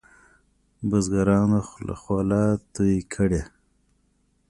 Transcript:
بزګرانو خوله توی کړې.